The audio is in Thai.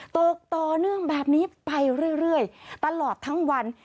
ตกต่อเนื่องแบบนี้ไปเรื่อยตลอดทั้งวัน